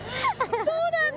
そうなんだ？